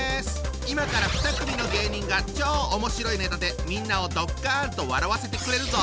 今から２組の芸人が超おもしろいネタでみんなをドッカンと笑わせてくれるぞ！